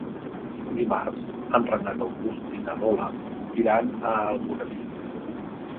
Dimarts en Renat August i na Lola iran a Almoradí.